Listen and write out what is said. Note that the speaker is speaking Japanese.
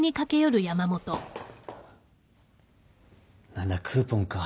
何だクーポンか。